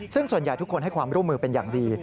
ซึ่งส่วนใหญ่ทุกคนให้ความร่วมมือเป็นอย่างดี